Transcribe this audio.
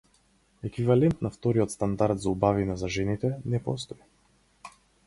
Еквивалент на вториот стандард за убавина за жените не постои.